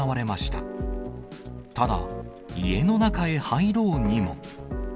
ただ、家の中へ入ろうにも。